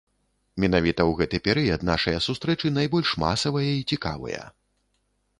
Менавіта ў гэты перыяд нашыя сустрэчы найбольш масавыя і цікавыя.